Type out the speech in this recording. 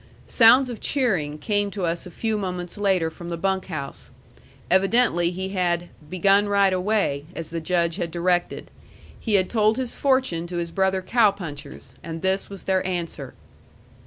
Sounds of cheering came to us a few moments later from the bunk house. Evidently he had "begun right away," as the Judge had directed. He had told his fortune to his brother cow punchers, and this was their answer.